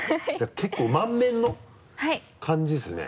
結構満面の感じですね。